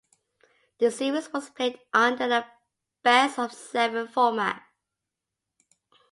The series was played under a best-of-seven format.